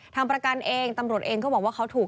ทำปราการเองตำรวจเองเขาบอกว่าเขาถูก